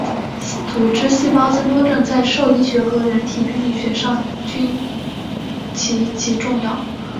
组织细胞增多症在兽医学和人体病理学上均极其重要。